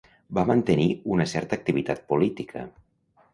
Va mantenir una certa activitat política.